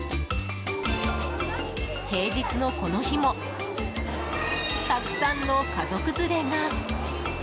平日のこの日もたくさんの家族連れが。